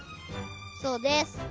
そうです。